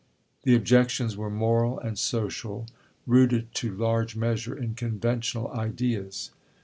The objections were moral and social, rooted to large measure in conventional ideas.